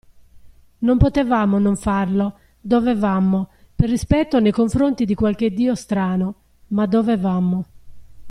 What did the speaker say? Non potevamo non farlo, dovevamo, per rispetto nei confronti di qualche dio strano, ma dovevamo.